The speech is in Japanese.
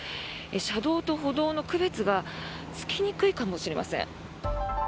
車道と歩道の区別がつきにくいかもしれません。